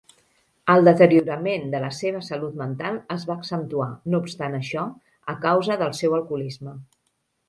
El deteriorament de la seva salut mental es va accentuar, no obstant això, a causa del seu alcoholisme.